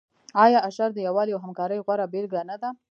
آیا اشر د یووالي او همکارۍ غوره بیلګه نه ده؟